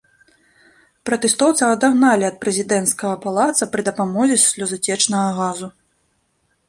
Пратэстоўцаў адагналі ад прэзідэнцкага палаца пры дапамозе слёзацечнага газу.